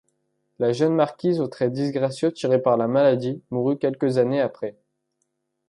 La jeune marquise aux traits disgracieux tirés par la maladie mourut quelques années après.